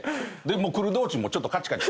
来る道中もちょっとカチカチ。